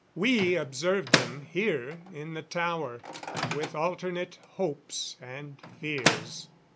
We observed them, here in the tower, with alternate hopes and fears.